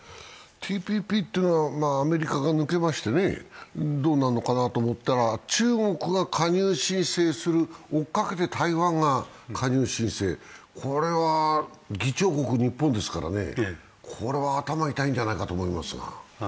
ＴＰＰってのは、アメリカが抜けましてどうなるのかなと思ったら中国が加入申請する、追いかけて台湾が加入申請、議長国は日本ですから、頭痛いんじゃないかと思いますが。